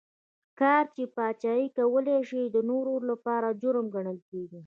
ښکار چې پاچا یې کولای شي د نورو لپاره جرم ګڼل کېږي.